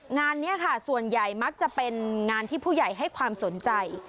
งานนี้ค่ะส่วนใหญ่มักจะเป็นงานที่ผู้ใหญ่ให้ความสนใจ